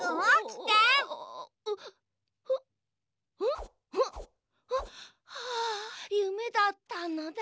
ん？はあゆめだったのだ。